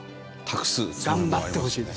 頑張ってほしいです